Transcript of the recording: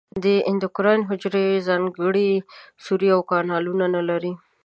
د اندوکراین حجرې ځانګړي سوري او کانالونه نه لري.